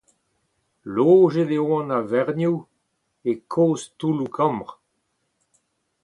Lojet e oant a-vernioù e kozh toulloù kambr.